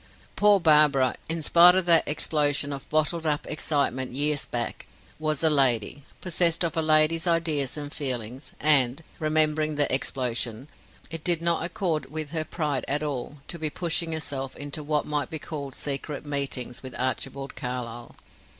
Poor Barbara, in spite of that explosion of bottled up excitement years back, was a lady, possessed of a lady's ideas and feelings, and remembering the explosion it did not accord with her pride at all to be pushing herself into what might be called secret meetings with Archibald Carlyle.